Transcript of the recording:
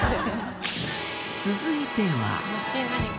続いては。